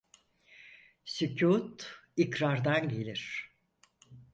Sükût ikrardan gelir.